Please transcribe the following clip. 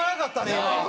今。